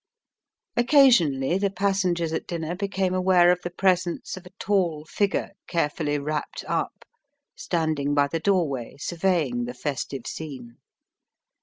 Occasionally the passengers at dinner became aware of the presence of a tall figure carefully wrapped up, standing by the doorway surveying the festive scene.